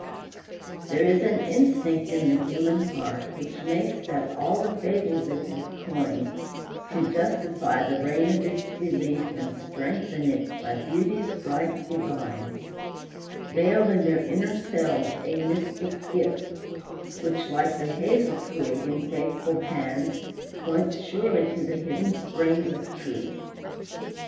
There is an instinct in the human heart Which makes that all the fables it hath coined, To justify the reign of its belief And strengthen it by beauty's right divine, Veil in their inner cells a mystic gift, Which, like the hazel twig, in faithful hands, Points surely to the hidden springs of truth.